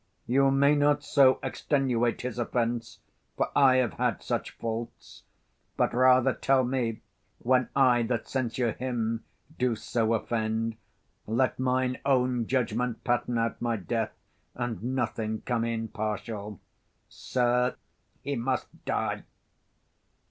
You may not so extenuate his offence For I have had such faults; but rather tell me, When I, that censure him, do so offend, Let mine own judgement pattern out my death, 30 And nothing come in partial. Sir, he must die.